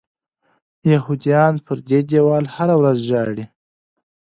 یهودیان پر دې دیوال هره ورځ ژاړي.